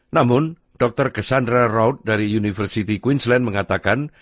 namun dr cassandra raud dari universiti queensland mengatakan